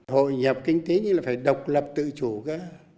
hội nhập kinh tế như là phải độc lập tự chủ cơ